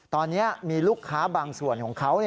ตอนนี้มีลูกค้าบางส่วนของเขา